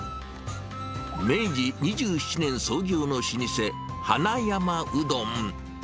明治２７年創業の老舗、花山うどん。